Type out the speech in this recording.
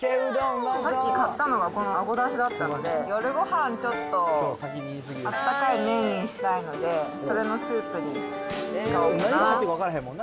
さっき買ったのがこのあごだしだったので、夜ごはん、ちょっとあったかい麺にしたいので、それのスープに使おうかな。